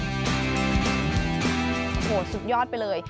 โหสุดยอดไปเลย